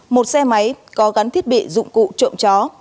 một xe máy có gắn thiết bị dụng cụ trộm chó